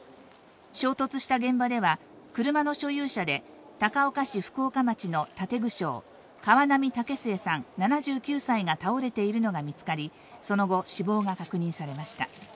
衝突した現場では車の所有者で高岡市福岡町の建具商、河南武末さん、７９歳が倒れているのが見つかり、その後、死亡が確認されました。